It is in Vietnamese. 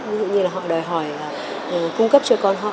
ví dụ như là họ đòi hỏi cung cấp cho các trường dân lập